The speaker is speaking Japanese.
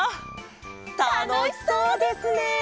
たのしそうですね！